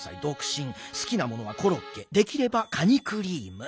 すきなものはコロッケできればカニクリーム。